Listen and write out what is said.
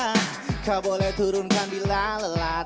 tunjukkan kesan kau boleh turunkan di lalat